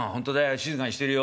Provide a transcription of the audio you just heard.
静かにしてるよ」。